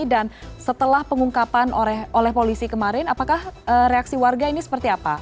dan setelah pengungkapan oleh polisi kemarin apakah reaksi warga ini seperti apa